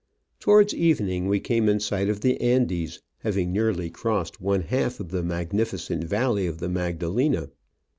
Towards evening we came in sight of the Andes, having nearly crossed one half of the magnificent valley of the Magdalena.